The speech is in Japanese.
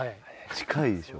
近いでしょ？